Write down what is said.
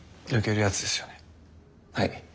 はい。